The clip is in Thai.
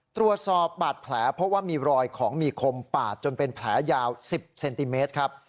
ตรวจสอบบาดแผลเพราะว่ามีรอยของมีคมปาดจนเป็นแผลยาว๑๐เซนติเมตรครับ